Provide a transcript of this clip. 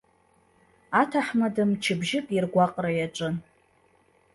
Аҭаҳмада мчыбжьык иргәаҟра иаҿын.